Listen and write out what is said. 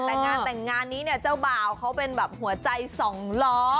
แต่งานแต่งงานนี้เนี่ยเจ้าบ่าวเขาเป็นแบบหัวใจสองล้อ